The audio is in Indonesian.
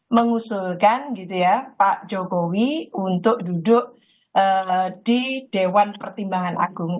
mengusulkan gitu ya pak jokowi untuk duduk di dewan pertimbangan agung